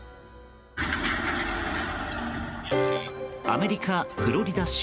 アメリカ・フロリダ州。